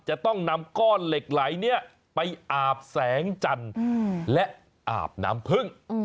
จะต้องนำก้อนเหล็กไหลเนี่ยไปอาบแสงจันทร์และอาบน้ำพึ่ง